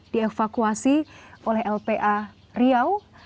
dievakuasi oleh lpa riau